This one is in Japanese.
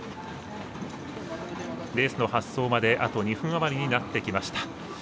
レースの発走まであと２分余りになってきました。